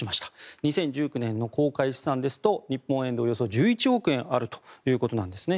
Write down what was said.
２０１９年の公開資産ですと日本円でおよそ１１億円あるということなんですね。